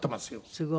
すごい。